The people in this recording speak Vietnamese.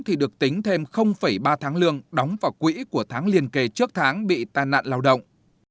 thì được tính thêm ba tháng lương đóng vào quỹ của tháng liên kề trước tháng bị tai nạn lao động